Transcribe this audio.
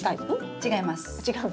違います。